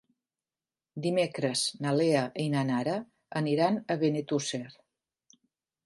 Dimecres na Lea i na Nara aniran a Benetússer.